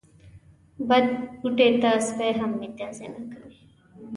بد بوټي ته سپي هم متازې نه کوي.